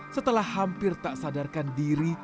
setelah hampir tak sadarkan diri